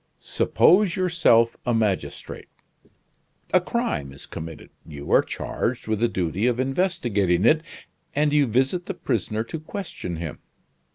Suppose yourself a magistrate. A crime is committed; you are charged with the duty of investigating it, and you visit the prisoner to question him.